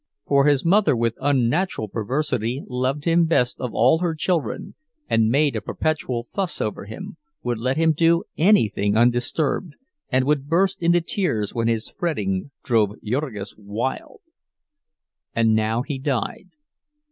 For his mother, with unnatural perversity, loved him best of all her children, and made a perpetual fuss over him—would let him do anything undisturbed, and would burst into tears when his fretting drove Jurgis wild. And now he died.